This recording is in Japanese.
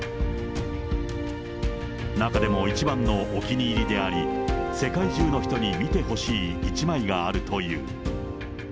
中でも一番のお気に入りであり、世界中の人に見てほしい一枚があるという。